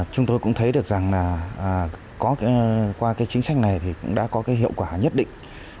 chúng tôi cũng thấy được rằng là qua cái chính sách này thì cũng đã có cái hiệu quả nhất định